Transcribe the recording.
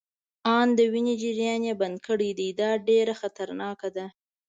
آن د وینې جریان يې بند کړی دی، دا ډیره خطرناکه ده.